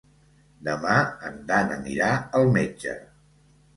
Demà en Dan anirà al metge.